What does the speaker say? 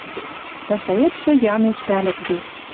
Пӓшӓэтшӹ ямеш пӓлӹкде.